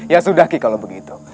ya sudah ki kalau begitu